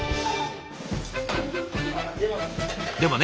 でもね